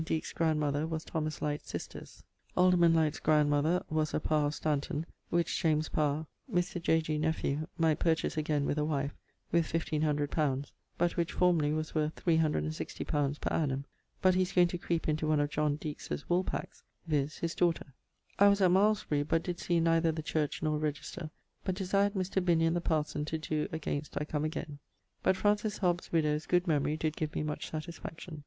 Deekes grandmother was Thomas Lyte's sisters. Alderman Lyte's grandm. was a P of Stanton ..., which James Power, Mr. J. G. nephew might purchase againe with a wife, with 1500 li., but which formerly was worth 360 li. per annum, but he's goeing to creep into one of Jon. Deeks' woolpacks, viz. his daughter. I was at Malmesbury but did see the church nor register but desired Mr. Binnion the parson to doe against I come againe; but Francis Hobbes' widow's good memory did give me much satisfaction.